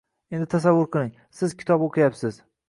Endi tasavvur qiling: siz kitob o’qiyapsiz.